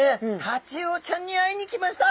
タチウオちゃんに会いに来ました。